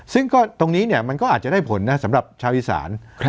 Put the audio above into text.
ซึ่งก็ตรงนี้เนี่ยมันก็อาจจะได้ผลนะสำหรับชาวอีสาน